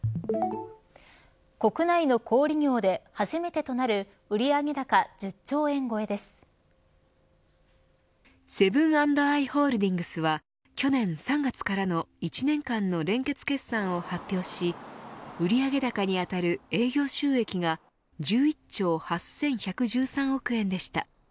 国内の小売り業で初めてとなるセブン＆アイ・ホールディングスは去年３月からの１年間の連結決算を発表し売り上げ高に当たる営業収益が１１兆８１１３億円でした。